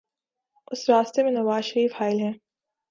اس راستے میں نوازشریف حائل ہیں۔